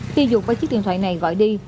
khi dụt vào chiếc điện thoại này gọi đi